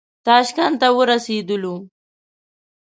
تاشکند ته ورسېدلو.